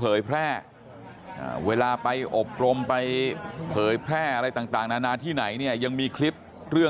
เผยแพร่เวลาไปอบรมไปเผยแพร่อะไรต่างนานาที่ไหนเนี่ยยังมีคลิปเรื่อง